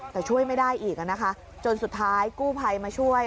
แต่ช่วยไม่ได้อีกนะคะจนสุดท้ายกู้ภัยมาช่วย